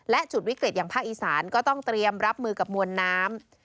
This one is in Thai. และจุดวิกฤตอย่างภาคอีสานก็ต้องเตรียมรับมือกับมวลน้ำ